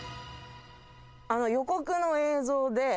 あの予告の映像で。